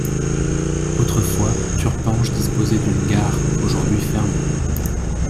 Autrefois, Turpange disposait d'une gare, aujourd'hui fermée.